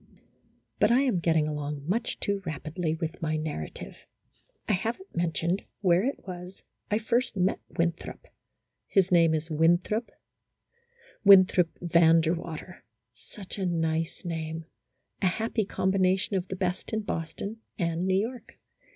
But I am getting along much too rapidly with my narrative. I have n't mentioned where it was I first met Winthrop ; his name is Winthrop, Winthrop Van der Water ; such a nice name ; a happy combi nation of the best in Boston and New York.